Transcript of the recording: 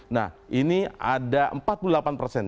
nah ini ada empat puluh delapan persen